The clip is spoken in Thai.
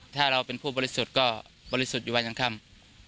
ถ้าเราเป็นผู้บริสุทธิ์ก็บริสุทธิ์อยู่วันกลางค่ำ